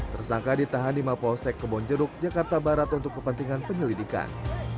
tersangka ditahan di mapolsek kebonjeruk jakarta barat untuk kepentingan penyelidikan